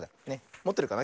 もってるかな？